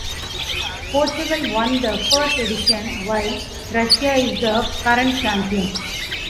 Portugal won the first edition, while Russia is the current champion.